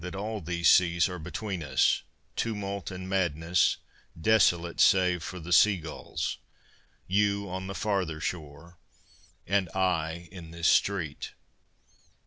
that all these seas are between us, Tumult and madness, desolate save for the sea gulls, You on the farther shore, and I in this street.